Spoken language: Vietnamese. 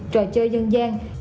trò chơi dân gian